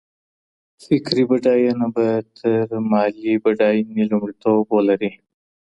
فکري بډاينه به تر مالي بډاينې لومړيتوب ولري.